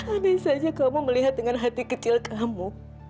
anissanya kamu melihat dengan hati kecil kamu